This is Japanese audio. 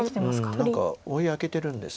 何か追い上げてるんです。